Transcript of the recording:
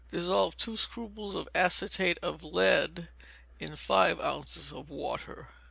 Dissolve two scruples of acetate of lead in five ounces of water.